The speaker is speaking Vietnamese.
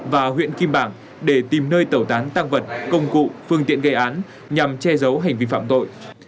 và huyện kim bảng để tìm nơi tẩu tán tăng vật công cụ phương tiện gây án nhằm che giấu hành vi phạm tội